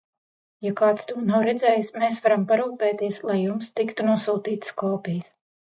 Ja kāds to nav redzējis, mēs varam parūpēties, lai jums tiktu nosūtītas kopijas.